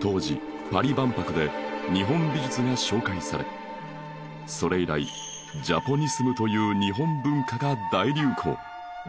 当時パリ万博で日本美術が紹介されそれ以来ジャポニスムという日本文化が大流行！